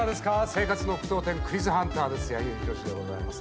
生活の句読点「クイズハンター」です。